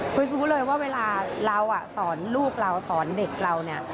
คริสรู้เลยว่าเวลาเราสอนลูกเราสอนเด็กเรา